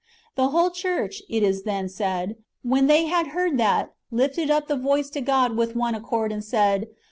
The wdiole church, it is then said, " when they had heard that, lifted up the voice to God with one accord, and said.